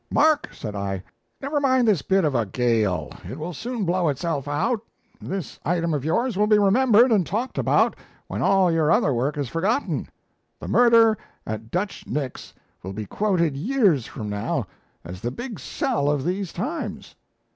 "Mark," said I, "never mind this bit of a gale, it will soon blow itself out. This item of yours will be remembered and talked about when all your other work is forgotten. The murder at Dutch Nick's will be quoted years from now as the big sell of these times."